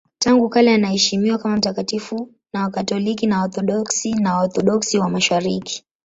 Tangu kale anaheshimiwa kama mtakatifu na Wakatoliki, Waorthodoksi na Waorthodoksi wa Mashariki.